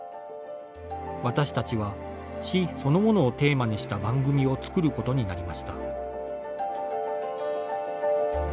私たちは死そのものをテーマにした番組を作ることになりました。